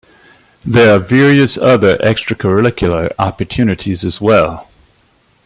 There are various other extracurricular opportunities as well.